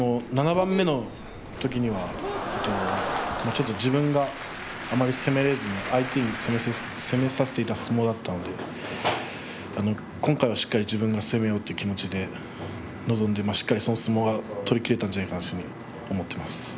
７番目のときには自分があまり攻めることができずに相手に攻めさせていた相撲だったので、今回はしっかり自分が攻めようという気持ちで臨んでしっかりとした相撲が取りきれたのではないかと思っています。